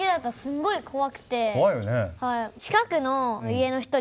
怖いよね。